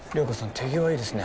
手際いいですね。